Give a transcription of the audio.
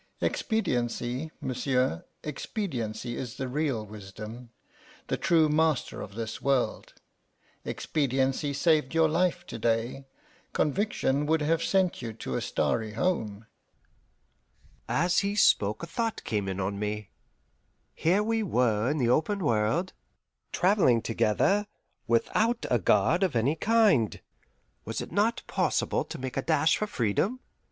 Expediency, monsieur, expediency is the real wisdom, the true master of this world. Expediency saved your life to day; conviction would have sent you to a starry home." As he spoke a thought came in on me. Here we were in the open world, travelling together, without a guard of any kind. Was it not possible to make a dash for freedom?